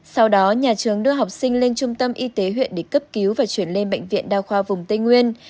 sau đó nhà trường đưa học sinh lên trung tâm y tế huyện để cấp cứu và chuyển lên bệnh viện đa khoa vùng tây nguyên